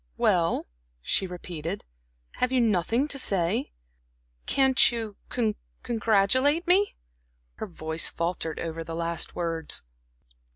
"Well," she repeated, "have you nothing to say? Can't you congratulate me?" Her voice faltered over the last words.